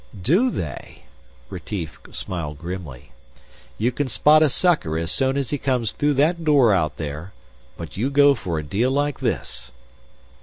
"Do they?" Retief smiled grimly. "You can spot a sucker as soon as he comes through that door out there but you go for a deal like this!"